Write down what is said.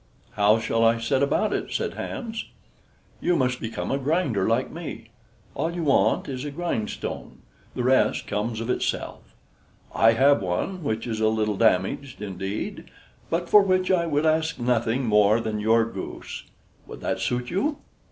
"How shall I set about it?" said Hans. "You must become a grinder, like me. All you want is a grindstone: the rest comes of itself. I have one which is a little damaged indeed, but for which I would ask nothing more than your goose; would that suit you?"